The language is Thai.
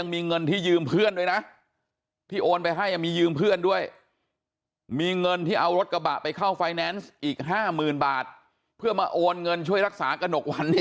มีเงินที่เอารถกระบะไปเข้าไฟแนนซ์อีก๕หมื่นบาทเพื่อมาโอนเงินช่วยรักษากระหนกวันดิ